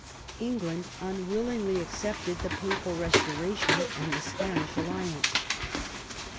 England unwillingly accepted the Papal restoration and the Spanish alli ance.